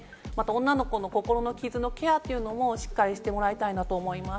また女の子の心の傷のケアというのも、しっかりしてもらいたいなと思います。